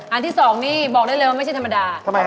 ที่๒นี่บอกได้เลยว่าไม่ใช่ธรรมดา